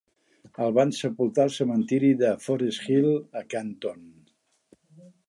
El van sepultar al cementiri de Forest Hill, a Canton.